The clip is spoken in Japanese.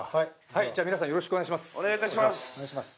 はいじゃあ皆さんよろしくお願いします。